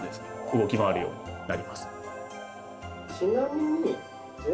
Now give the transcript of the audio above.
動き回るようになります。